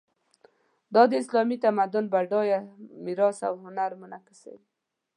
دا د اسلامي تمدن بډایه میراث او هنر منعکسوي.